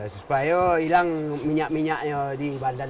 supaya tidak hilang minyak minyak di bandar